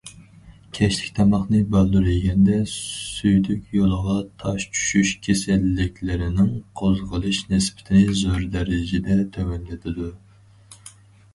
كەچلىك تاماقنى بالدۇر يېگەندە سۈيدۈك يولىغا تاش چۈشۈش كېسەللىكلىرىنىڭ قوزغىلىش نىسبىتىنى زور دەرىجىدە تۆۋەنلىتىدۇ.